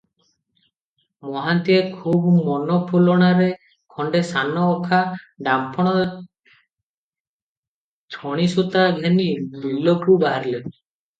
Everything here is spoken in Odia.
ମହାନ୍ତିଏ ଖୁବ୍ ମନଫୁଲଣାରେ ଖଣ୍ଡେ ସାନ ଅଖା, ଡାମ୍ଫଣ ଛଣିସୂତା ଘେନି ବିଲକୁ ବାହାରିଲେ ।